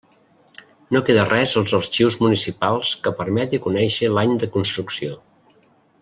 No queda res als arxius municipals que permeti conèixer l'any de construcció.